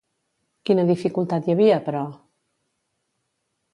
Quina dificultat hi havia, però?